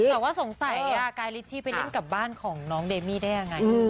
แต่ว่าสงสัยกายลิชชี่ไปเล่นกับบ้านของน้องเดมี่ได้ยังไง